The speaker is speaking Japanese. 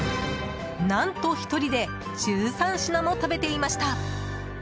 何と、１人で１３品も食べていました。